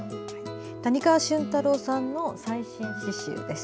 谷川俊太郎さんの最新詩集です。